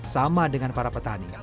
sama dengan para petani